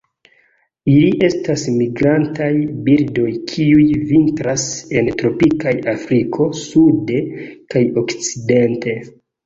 Ili estas migrantaj birdoj kiuj vintras en tropika Afriko sude kaj okcidente.